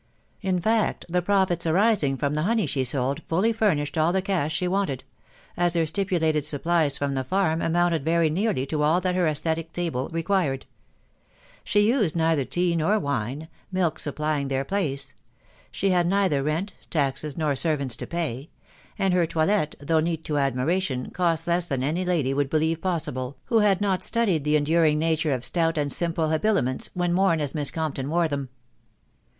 In fact, the profits arising from the honey she sold, fully furnished all the cash she wanted ; as her stipulated supplies from the farm amounted very nearly to all that her ascetic table required. ... She used neither tea nor wine, milk supplying their place. ... She had neither rent, taxes, nor servants, to pay ; and her toilet, though neat to admiration, cost less than any lady would believe pos sible, who had not studied the enduring nature of stout and simple habiliments, when worn as Miss Compton wore them.